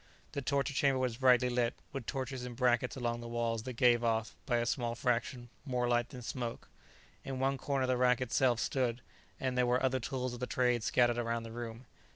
The torture chamber was brightly lit, with torches in brackets along the walls that gave off, by a small fraction, more light than smoke. In one corner the rack itself stood, and there were other tools of the trade scattered around the room.